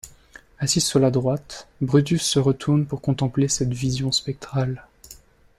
Assis sur la droite, Brutus se retourne pour contempler cette vision spectrale.